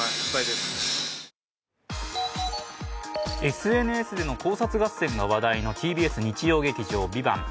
ＳＮＳでの考察合戦が話題のＴＢＳ日曜劇場「ＶＩＶＡＮＴ」。